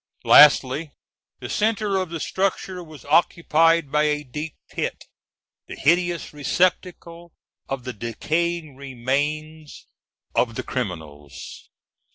Lastly, the centre of the structure was occupied by a deep pit, the hideous receptacle of the decaying remains of the criminals.